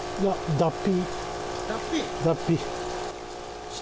脱皮。